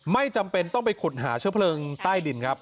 ไม่จำเป็นต้องไปขุดหาเชื้อเพลิงใต้ดินครับ